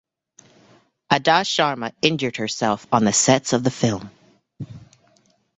Adah Sharma injured herself on the sets of the film.